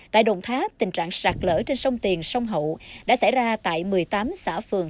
tại đồng thá tình trạng sạc lỡ trên sông tiền sông hậu đã xảy ra tại một mươi tám xã phương